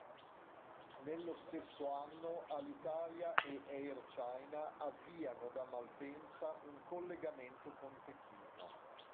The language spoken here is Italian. Nello stesso anno Alitalia e Air China avviano da Malpensa un collegamento con Pechino.